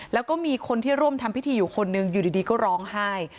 แล้วก็มีคนที่ร่วมทำพิธีอยู่คนหนึ่งอยู่ดีก็ร้องไห้